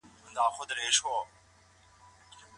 دا یوازي همدومره نه ده، بلکي په تيرو څو لسیزو کي د